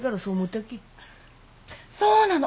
そうなの！